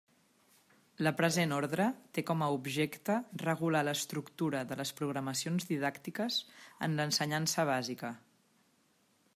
La present orde té com a objecte regular l'estructura de les programacions didàctiques en l'ensenyança bàsica.